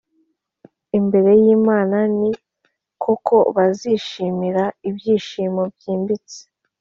Imbere Y Imana Ni Koko Bazishima Ibyishimo byimbitse